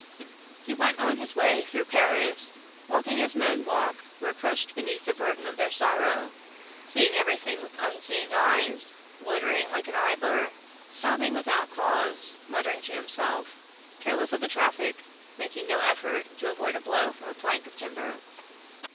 He went on his way through Paris, walking as men walk who are crushed beneath the burden of their sorrow, seeing everything with unseeing eyes, loitering like an idler, stopping without cause, muttering to himself, careless of the traffic, making no effort to avoid a blow from a plank of timber.